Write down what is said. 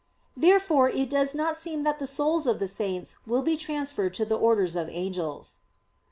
Therefore it does not seem that the souls of the saints will be transferred to the orders of angels.